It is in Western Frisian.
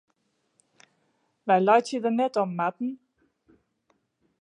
Wy laitsje der net om, Marten.